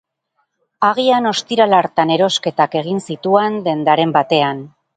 Agian ostiral hartan erosketak egin zituan dendaren batean.